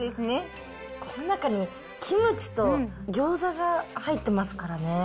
この中にキムチとギョーザが入ってますからね。